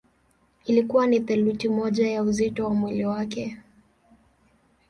Ilikuwa ni theluthi moja ya uzito wa mwili wake.